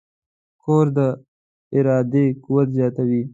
کورس د ارادې قوت زیاتوي.